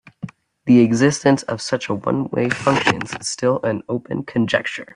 The existence of such one-way functions is still an open conjecture.